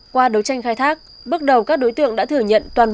qua đấu tranh khai thác bước đầu các đối tượng đã thừa nhận toàn bộ hành vi